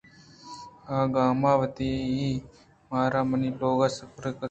کہ اگاں تو منا را منی لوگ ءَ سرکُت